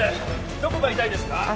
どこが痛いですか！？